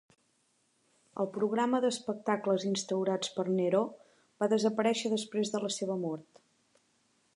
El programa d'espectacles instaurats per Neró va desaparèixer després de la seva mort.